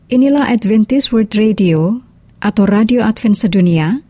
inilah adventist world radio atau radio advent sedunia